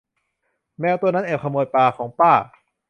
แมวตัวนั้นแอบขโมยปลาของป้า